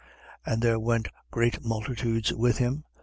14:25. And there went great multitudes with him.